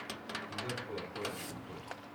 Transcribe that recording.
Dieser Projektor ist kaputt.